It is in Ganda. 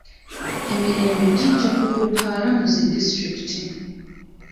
Emirembi gijja kubukala mu zi disitulikiti.